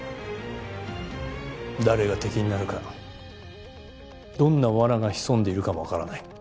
誰が敵になるかどんな罠が潜んでいるかもわからない。